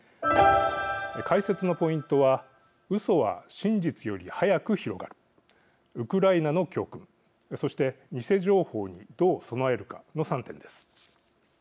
解説のポイントはうそは真実より速く広がるウクライナの教訓そして、偽情報にどう備えるかの３点です。